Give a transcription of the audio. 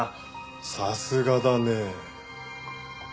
さすがだね。